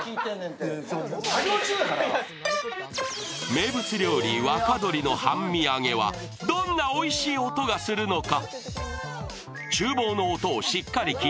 名物料理・若鶏の半身揚げはどんなおいしい音がするのか。